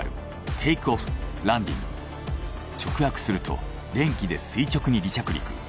直訳すると電気で垂直に離着陸。